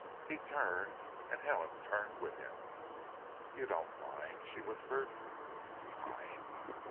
He turned, and Helen turned with him. "You don't mind," she whispered. "Mind!"